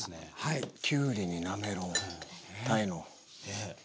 きゅうりになめろう鯛の。